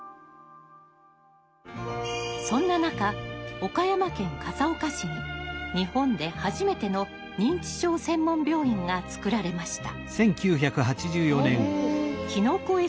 そんな中岡山県笠岡市に日本で初めての認知症専門病院がつくられました。